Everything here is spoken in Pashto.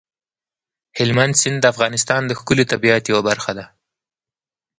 هلمند سیند د افغانستان د ښکلي طبیعت یوه برخه ده.